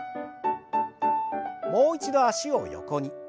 もう一度脚を横に。